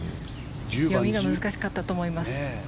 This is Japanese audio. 読みが難しかったと思います。